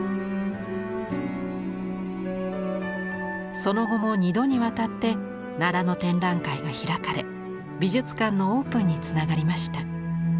その後も２度にわたって奈良の展覧会が開かれ美術館のオープンにつながりました。